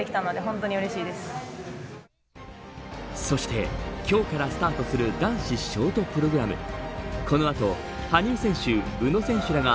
そして、今日からスタートする男子ショートプログラム。